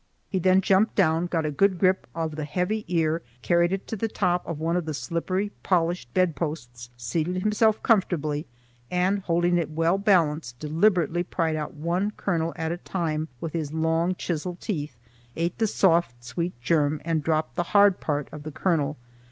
He then jumped down, got a good grip of the heavy ear, carried it to the top of one of the slippery, polished bed posts, seated himself comfortably, and, holding it well balanced, deliberately pried out one kernel at a time with his long chisel teeth, ate the soft, sweet germ, and dropped the hard part of the kernel.